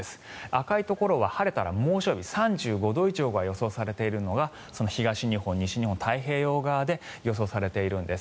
赤いところは晴れたら猛暑日３５度以上が予想されているのが東日本、西日本の太平洋側で予想されているんです。